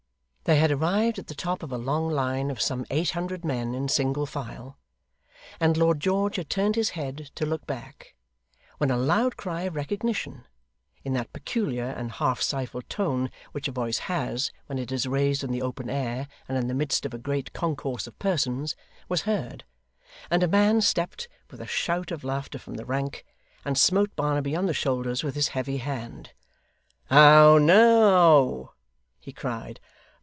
They had arrived at the top of a long line of some eight hundred men in single file, and Lord George had turned his head to look back, when a loud cry of recognition in that peculiar and half stifled tone which a voice has, when it is raised in the open air and in the midst of a great concourse of persons was heard, and a man stepped with a shout of laughter from the rank, and smote Barnaby on the shoulders with his heavy hand. 'How now!' he cried.